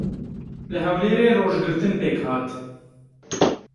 Li Hewlêrê rojgirtin pêk hat.